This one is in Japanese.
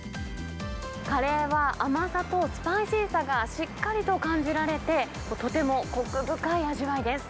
カレーは、甘さとスパイシーさがしっかりと感じられて、とてもこく深い味わいです。